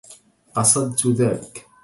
قصدت ذلك.